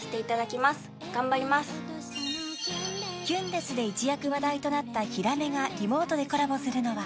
［「きゅんです」で一躍話題となったひらめがリモートでコラボするのは］